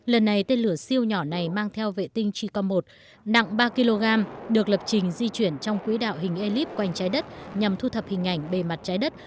lần này tên lửa siêu nhỏ này mang theo vệ tinh chikom một nặng ba kg được lập trình di chuyển trong quỹ đạo hình elite quanh trái đất nhằm thu thập hình ảnh bề mặt trái đất